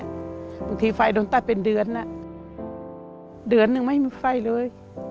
บางทีไฟโดนตัดเป็นเดือนเดือนหนึ่งไม่มีไฟเลย